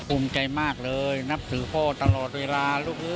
อุ้มใจมากเลยนำถึงพ่อตลอดเวลา